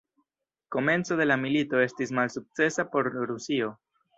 Komenco de la milito estis malsukcesa por Rusio.